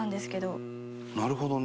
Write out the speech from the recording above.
伊達：なるほどね。